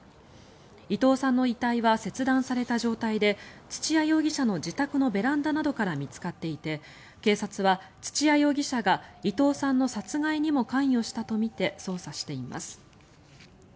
伊藤さんの遺体は切断された状態で土屋容疑者の自宅のベランダなどから見つかっていて警察は、土屋容疑者が伊藤さんの殺害にも関与したとみて捜査しています。